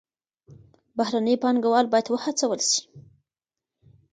بهرني پانګوال بايد وهڅول سي.